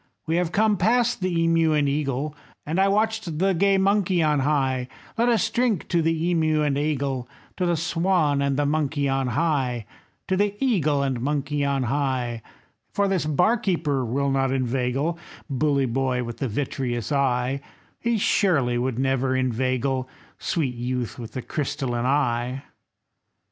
We have come past the emeu and eagle, And watched the gay monkey on high; Let us drink to the emeu and eagle, To the swan and the monkey on high, To the eagle and monkey on high; For this bar keeper will not inveigle, Bully boy with the vitreous eye, He surely would never inveigle, Sweet youth with the crystalline eye."